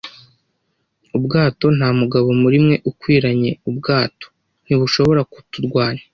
ubwato - nta mugabo muri mwe ukwiranye ubwato. Ntushobora kuturwanya -